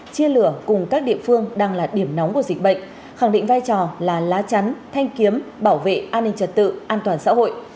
chia lửa cùng các địa phương đang là điểm nóng của dịch bệnh khẳng định vai trò là lá chắn thanh kiếm bảo vệ an ninh trật tự an toàn xã hội